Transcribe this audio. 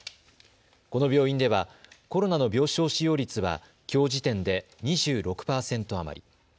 この病院ではコロナの病床使用率は、きょう時点で、２６％余り。